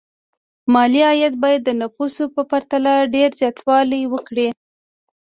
ملي عاید باید د نفوسو په پرتله ډېر زیاتوالی وکړي.